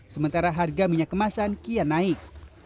sementara harga minyak kemasan kian naik